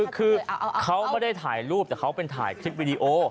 คือเขาไม่ได้ถ่ายรูปแต่เขาเป็นถ่ายคลิปวิดีโอ